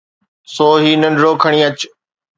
سو هي ننڍڙو کڻي اچ.